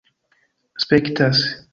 spektas